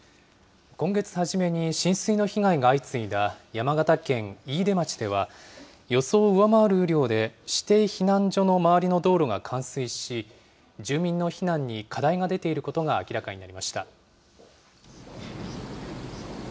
今月初めに浸水の被害が相次いだ山形県飯豊町では、予想を上回る雨量で、指定避難所の周りの道路が冠水し、住民の避難に課題が出ていることが、明らかになりました。